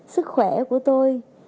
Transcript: sức khỏe của tôi